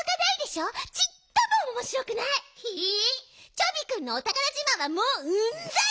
チョビくんのおたからじまんはもううんざり！